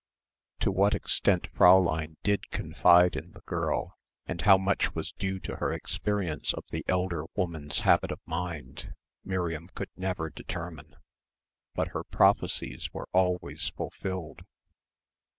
To what extent Fräulein did confide in the girl and how much was due to her experience of the elder woman's habit of mind Miriam could never determine. But her prophecies were always fulfilled.